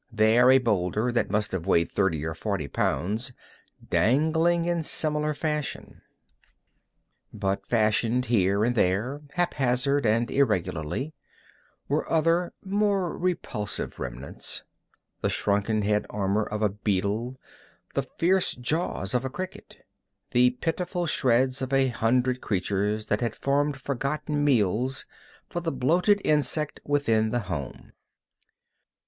There a boulder that must have weighed thirty or forty pounds, dangling in similar fashion. But fastened here and there, haphazard and irregularly, were other more repulsive remnants. The shrunken head armor of a beetle, the fierce jaws of a cricket the pitiful shreds of a hundred creatures that had formed forgotten meals for the bloated insect within the home.